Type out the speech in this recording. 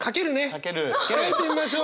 書いてみましょう。